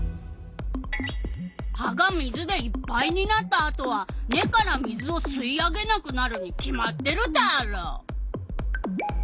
葉が水でいっぱいになったあとは根から水を吸い上げなくなるに決まってるダーロ！